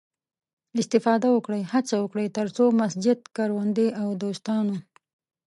استفاده وکړئ، هڅه وکړئ، تر څو مسجد، کروندې او د دوستانو